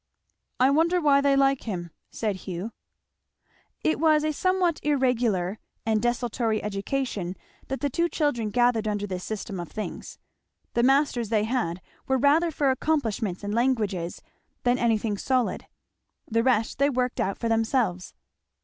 "I wonder why they like him," said Hugh. It was a somewhat irregular and desultory education that the two children gathered under this system of things. The masters they had were rather for accomplishments and languages than for anything solid; the rest they worked out for themselves.